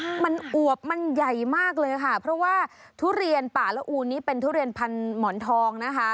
มันอวบมันใหญ่มากเลยค่ะเพราะว่าทุเรียนป่าละอูนนี้เป็นทุเรียนพันหมอนทองนะคะ